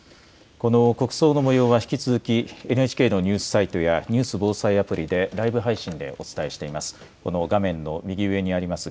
この国葬のもようは、引き続きＮＨＫのニュースサイトや、ニュース・防災アプリでライブ配信でお伝えしています。